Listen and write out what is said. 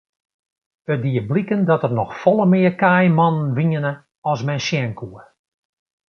It die bliken dat der noch folle mear kaaimannen wiene as men sjen koe.